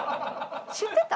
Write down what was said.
知ってた？